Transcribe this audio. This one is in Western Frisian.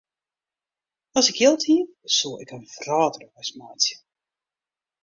As ik jild hie, soe ik in wrâldreis meitsje.